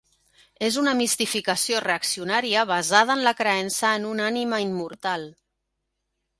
És una mistificació reaccionària basada en la creença en una ànima immortal